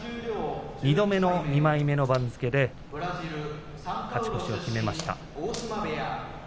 ２度目の２枚目の番付で勝ち越しを決めました。